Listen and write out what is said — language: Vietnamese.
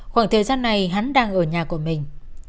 khoảng thời gian này hắn đang ở nhà của mình